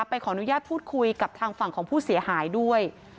ขออนุญาตพูดคุยกับทางฝั่งของผู้เสียหายด้วย